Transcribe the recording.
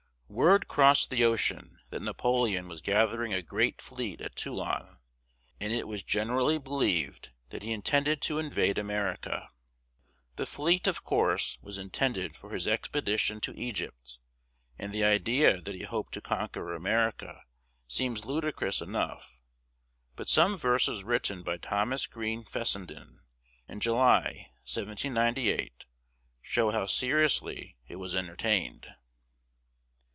Word crossed the ocean that Napoleon was gathering a great fleet at Toulon and it was generally believed that he intended to invade America. The fleet, of course, was intended for his expedition to Egypt, and the idea that he hoped to conquer America seems ludicrous enough, but some verses written by Thomas Green Fessenden in July, 1798, show how seriously it was entertained.